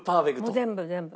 全部全部。